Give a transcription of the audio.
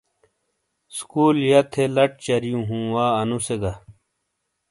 سُکول یا تھے لَچ چَریوں ہوں وا انو سے گہ۔